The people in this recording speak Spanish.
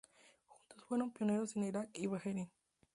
Juntos fueron pioneros en Irak y Bahrein.